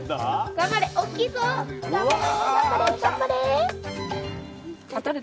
頑張れ！